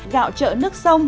gạo trợ nước sông